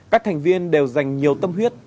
các thành viên đều dành nhiều tâm huyết